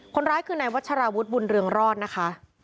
คนร้ายคือนายวัชราวุฒิบุญเรืองรอดนะคะ